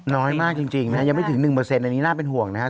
น้อยมากจริงนะฮะยังไม่ถึง๑อันนี้น่าเป็นห่วงนะครับ